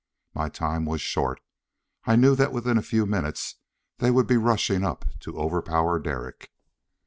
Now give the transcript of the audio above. My time was short; I knew that within a few minutes they would be rushing up to overpower Derek.